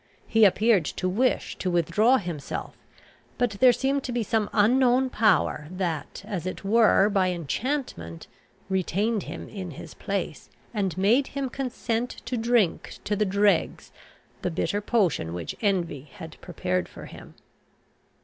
He appeared to wish to withdraw himself, but there seemed to be some unknown power that, as it were by enchantment, retained him in his place, and made him consent to drink to the dregs the bitter potion which envy had prepared for him.